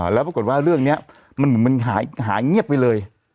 แล้วปรากฏว่าเรื่องนี้มันหายเหงียบไปเลย